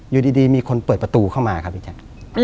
อยู่ดีมีคนเปิดประตูเข้ามาครับพี่แจ๊ค